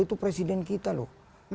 itu presiden kita loh